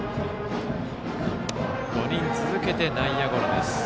５人続けて内野ゴロです。